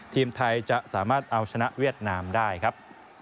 ทีมไทยจะสามารถเอาชนะเวียดนามได้ครับ